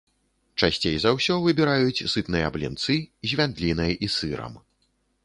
Часцей за ўсё выбіраюць сытныя блінцы з вяндлінай і сырам.